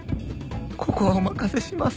ここはお任せします